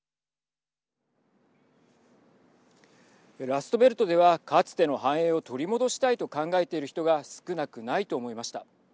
ラストベルトではかつての繁栄を取り戻したいと考えている人が少なくないと思いました。